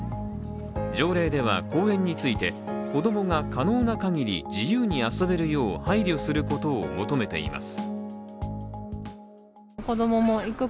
条例では公園について、子供が可能なかぎり自由に遊べるよう配慮することを求めています。